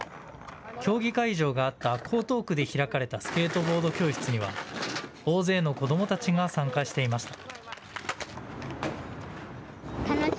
競技会場があった江東区で開かれたスケートボード教室には大勢の子どもたちが参加していました。